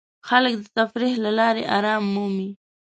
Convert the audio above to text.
خلک د تفریح له لارې آرام مومي.